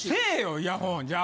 イヤホンじゃあ！